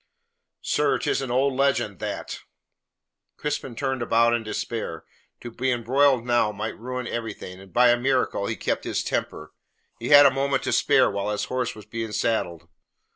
"Sir, 'tis an old legend, that!" Crispin turned about in despair. To be embroiled now might ruin everything, and by a miracle he kept his temper. He had a moment to spare while his horse was being saddled.